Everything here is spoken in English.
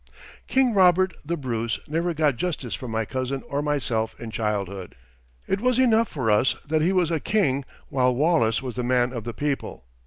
King Robert the Bruce never got justice from my cousin or myself in childhood. It was enough for us that he was a king while Wallace was the man of the people.